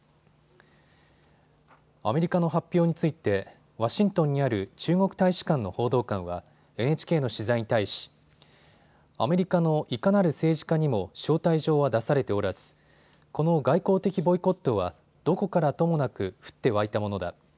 アメリカの発表についてワシントンにある中国大使館の報道官はＮＨＫの取材に対しアメリカのいかなる政治家にも招待状は出されておらずこの外交的ボイコットはどこからともなく降って湧いたものだ。